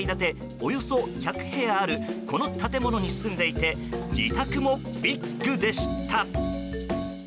およそ１００部屋あるこの建物に住んでいて自宅もビッグでした。